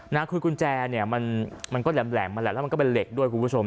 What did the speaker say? นะคือกุญแจเนี่ยมันก็แหลมมาแหละแล้วมันก็เป็นเหล็กด้วยคุณผู้ชม